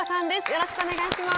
よろしくお願いします。